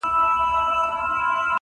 پلار یې تېر تر هدیرې سو تر قبرونو!!